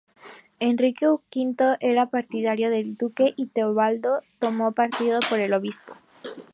Enrique V era partidario del duque y Teobaldo tomó partido por el obispo.